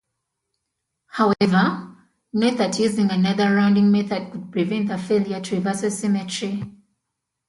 However, note that using another rounding method could prevent the failure to Reversal symmetry.